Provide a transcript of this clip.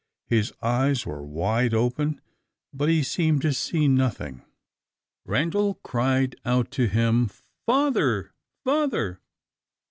His eyes were wide open, but he seemed to see nothing. Randal cried out to him, "Father! Father!"